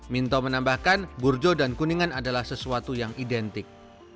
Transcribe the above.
minto menambahkan burjo dan kuningan adalah sesuatu yang identik